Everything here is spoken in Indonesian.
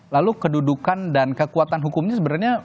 lalu kedudukan dan kekuatan hukumnya sebenarnya